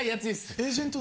エージェント。